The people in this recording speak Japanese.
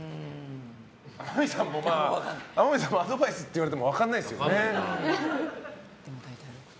天海さんもアドバイスって言われても分からないですよね。